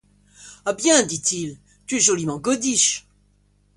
Ah bien ! dit-il, tu es joliment godiche !…